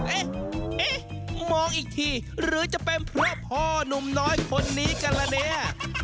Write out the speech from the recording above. เอ๊ะมองอีกทีหรือจะเป็นเพราะพ่อหนุ่มน้อยคนนี้กันละเนี่ย